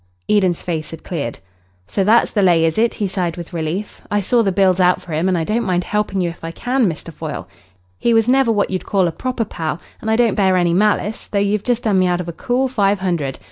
Eden's face had cleared. "So that's the lay, is it?" he said with relief. "I saw the bills out for him, and I don't mind helping you if I can, Mr. Foyle. He was never what you'd call a proper pal, and I don't bear any malice, though you've just done me out of a cool five hundred.